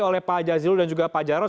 oleh pak ajazil dan juga pak jokowi